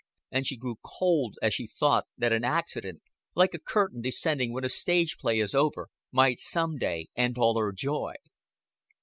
And she grew cold as she thought that an accident like a curtain descending when a stage play is over might some day end all her joy.